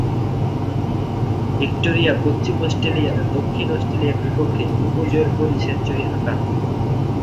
Victoria, পশ্চিম Australia ও দক্ষিণ অস্ট্রেলিয়ার বিপক্ষে উপর্যুপরী সেঞ্চুরি হাঁকান।